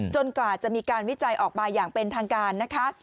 กว่าจะมีการวิจัยออกมาอย่างเป็นทางการนะคะ